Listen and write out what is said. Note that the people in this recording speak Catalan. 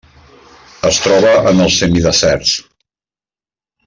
Es troba en els semideserts.